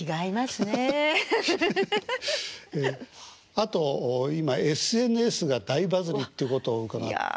あと今ＳＮＳが大バズりってことを伺って。